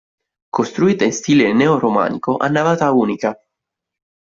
Costruita in stile neoromanico a navata unica.